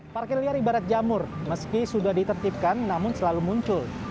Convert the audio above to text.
parkir liar ibarat jamur meski sudah ditertipkan namun selalu muncul